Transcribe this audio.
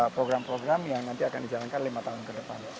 program program yang nanti akan dijalankan lima tahun ke depan